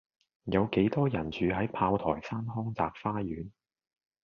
有幾多人住喺炮台山康澤花園